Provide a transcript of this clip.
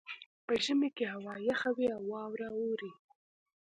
په ژمي کې هوا یخه وي او واوره اوري